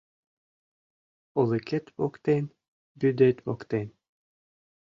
Олыкет воктен, вӱдет воктен